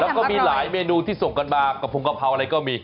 แล้วก็มีหลายเมนูที่ส่งกันมากระพงกะเพราอะไรก็มี